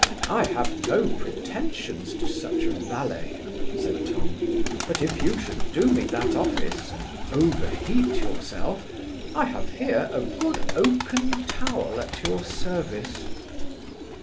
'I have no pretensions to such a valet (said Tom) but if you should do me that office, and overheat yourself, I have here a good oaken towel at your service.